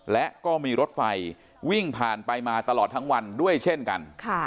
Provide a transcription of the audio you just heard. และก็มีรถไฟวิ่งผ่านไปมาตลอดทั้งวันด้วยเช่นกัน